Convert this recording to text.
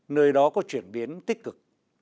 nơi đó có chuyển biến tích cực